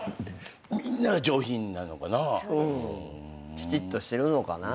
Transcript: きちっとしてるのかな